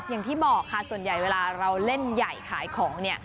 อย่างที่บอกค่ะส่วนใหญ่เวลาเราเล่นใหญ่ขายของเนี่ย